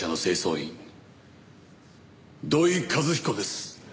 員土井和彦です。